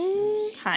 はい。